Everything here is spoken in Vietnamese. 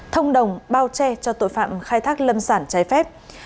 thông đồng bao che cho tội phạm khai thác lâm sản trái phép